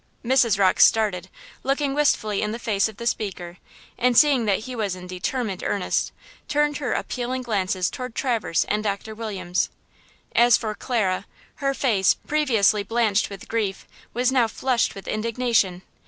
Mrs. Rocke started, looked wistfully in the face of the speaker and, seeing that he was in determined earnest, turned her appealing glances toward Traverse and Doctor Williams. As for Clara, her face, previously blanched with grief, was now flushed with indignation.